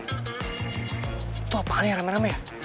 itu apaan ya rame rame ya